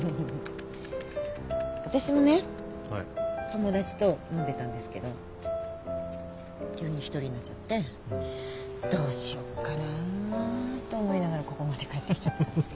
友達と飲んでたんですけど急に一人になっちゃって「どうしようかな？」と思いながらここまで帰ってきちゃったんです。